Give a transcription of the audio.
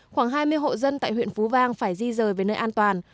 khoảng hai mươi hộ dân tại huyện phú vang phải di rời về nơi an toàn